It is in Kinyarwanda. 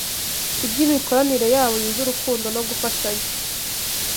iby’imikoranire yabo yuje urukundo no gufashanya